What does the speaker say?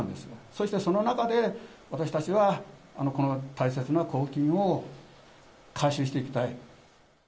そして、その中で私たちは、この大切な公金を回収していきたい。